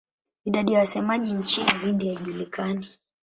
Idadi ya wasemaji nchini Uhindi haijulikani.